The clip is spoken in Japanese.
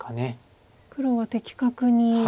黒は的確に。